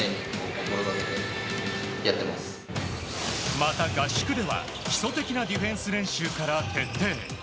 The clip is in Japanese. また合宿では基礎的なディフェンス練習から徹底。